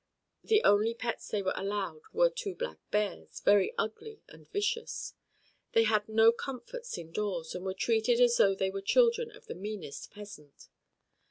The only pets they were allowed were two black bears, very ugly and vicious. They had no comforts indoors, and were treated as though they were children of the meanest peasant.